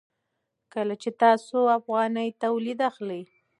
کله چې تاسو افغاني تولید اخلئ.